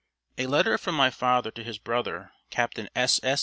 A letter from my father to his brother, Captain S. S.